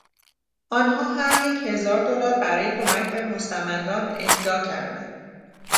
آنها هریک هزار دلار برای کمک به مستمندان اهدا کردند.